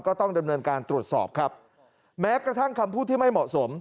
ก็ต้องดำเนินการตรวจสอบครับแม้กระทั่งคำพูดที่ไม่เหมาะสม